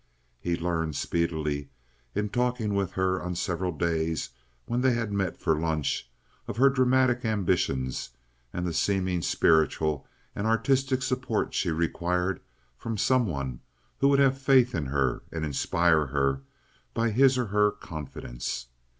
He learned speedily, in talking with her on several days when they met for lunch, of her dramatic ambitions, and of the seeming spiritual and artistic support she required from some one who would have faith in her and inspire her by his or her confidence.